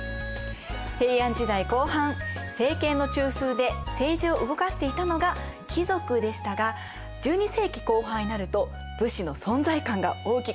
平安時代後半政権の中枢で政治を動かしていたのが貴族でしたが１２世紀後半になると武士の存在感が大きくなっていくんです。